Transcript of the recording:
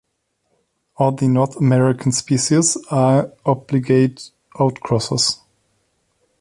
All the North American species are obligate outcrossers.